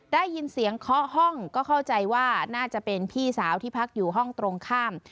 ได้ยินเสียงเคาะห้องก็เข้าใจว่าน่าจะเป็นพี่สาวที่พักอยู่ห้องตรงข้าม